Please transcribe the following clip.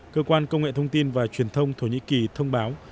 cơ quan công nghệ thông tin và truyền thông thổ nhĩ kỳ thông báo